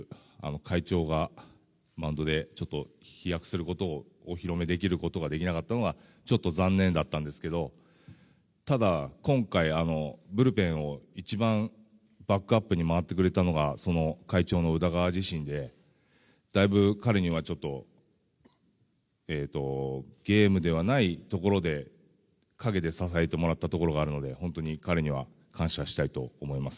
会長がマウンドでちょっと飛躍するところをお披露目ができなかったのが残念だったんですがただ今回、ブルペンで一番バックアップに回ってくれたのが会長の宇田川自身でだいぶ彼にはゲームではないところで陰で支えてもらったところがあるので本当に彼には感謝したいと思います。